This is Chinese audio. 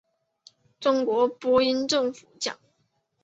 中国播音政府奖。